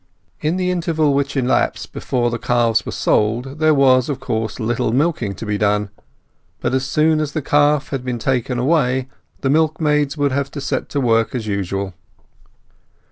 In the interval which elapsed before the calves were sold there was, of course, little milking to be done, but as soon as the calf had been taken away the milkmaids would have to set to work as usual.